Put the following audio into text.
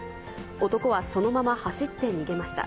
男はそのまま走って逃げました。